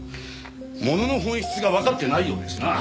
ものの本質がわかってないようですな。